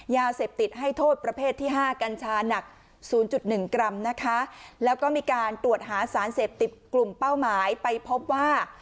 ยาเสพติดให้โทษประเภทที่ห้ากัญชาหนักศูนย์จุดหนึ่งกรัมนะคะแล้วก็มีการตรวจหาสารเสพติดกลุ่มเป้าหมายไปพบว่า